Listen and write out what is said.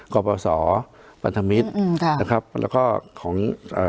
กรปสปันธมิตรแล้วก็ของ